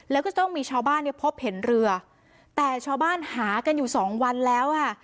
แล้วก็ต้องมีชาวบ้านเนี่ยพบเห็นเรือแต่ชาวบ้านหากันอยู่สองวันแล้วค่ะ